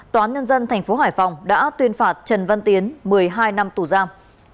tòa án nhân dân tp hải phòng đã tuyên phạt trần văn tiến một mươi hai năm tù giam